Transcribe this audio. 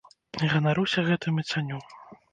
Ганаруся гэтым і цаню.